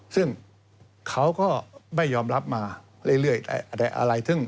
ซึ่งเขาก็ไม่ยอมรับมาเรื่อยอะไร